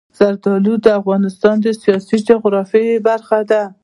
زردالو د افغانستان د سیاسي جغرافیه برخه ده.